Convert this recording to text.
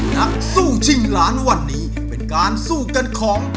นักสู้ชิงล้านวันนี้เป็นการสู้กันของ